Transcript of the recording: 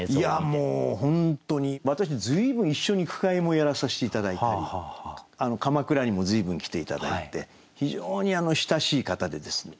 もう本当に私随分一緒に句会もやらさせて頂いたり鎌倉にも随分来て頂いて非常に親しい方でですね。